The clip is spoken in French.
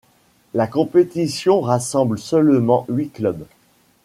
La compétition rassemble seulement huit clubs.